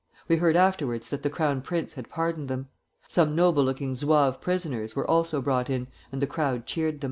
We heard afterwards that the Crown Prince had pardoned them. Some noble looking Zouave prisoners were also brought in, and the crowd cheered them.